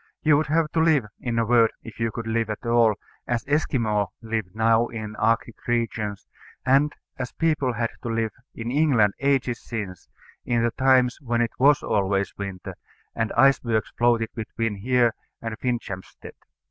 You would have to live in a word, if you could live at all, as Esquimaux live now in Arctic regions, and as people had to live in England ages since, in the times when it was always winter, and icebergs floated between here and Finchampstead.